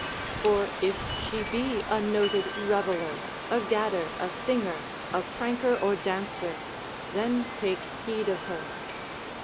For if she be a noted reveller, a gadder, a singer, a pranker or dancer, than take heed of her.